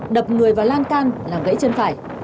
đập người vào lan can làm gãy chân phải